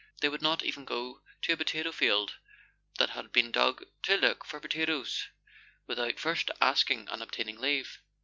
They would not even go to a potato field that had been dug to look for potatoes without first asking and obtaining leave.